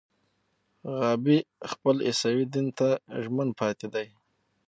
غابي خپل عیسوي دین ته ژمن پاتې دی.